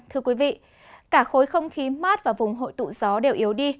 thưa quý vị cả khối không khí mát và vùng hội tụ gió đều yếu đi